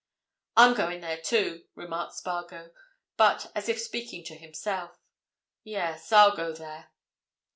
"I'm going there, too," remarked Spargo, but as if speaking to himself. "Yes, I'll go there."